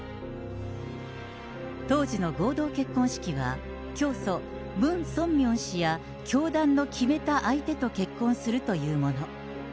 当時の合同結婚式は、教祖、ムン・ソンミョン氏や教団の決めた相手と結婚するというもの。